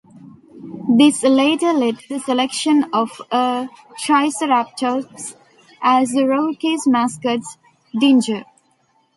This later led to the selection of a triceratops as the Rockies' mascot, Dinger.